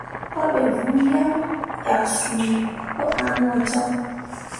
Pabe vuu yaŋ ʼyak suu pǝɓan nocam.